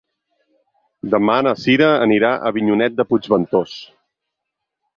Demà na Sira anirà a Avinyonet de Puigventós.